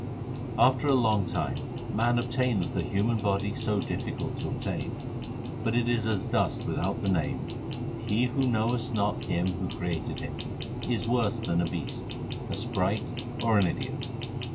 After long time man obtaineth a human body so difficult to obtain ; But it is as dust without the Name. He who knoweth not Him who created him, Is worse than a beast, a sprite, or an idiot.